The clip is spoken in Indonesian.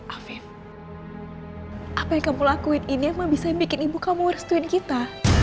afin apa yang kamu lakuin ini emang bisa bikin ibu kamu merestuin kita